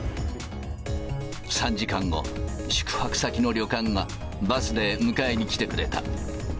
３時間後、宿泊先の旅館がバスで迎えに来てくれた。